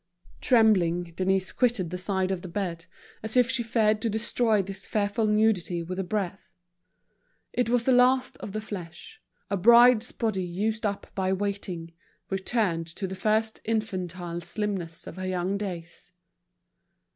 Trembling, Denise quitted the side of the bed, as if she feared to destroy this fearful nudity with a breath. It was the last of the flesh, a bride's body used up by waiting, returned to the first infantile slimness of her young days.